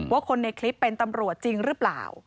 ว่าคนในคลิปเป็นตำรวจจริงหรือเปล่า